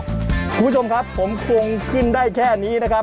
คุณผู้ชมครับผมคงขึ้นได้แค่นี้นะครับ